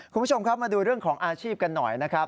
คุณผู้ชมครับมาดูเรื่องของอาชีพกันหน่อยนะครับ